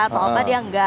atau apa dia nggak